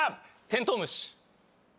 テントウムシ。